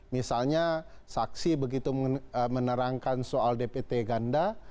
misalnya saksi begitu menerangkan soal dpt ganda